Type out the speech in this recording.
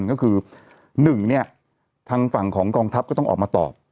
ก็คือ๑เนี่ยทางฝั่งของกองทัพก็ต้องออกมาตอบ